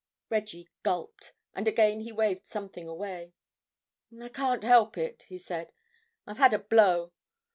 Reggie gulped, and again he waved something away. "I can't help it," he said, "I've had a blow.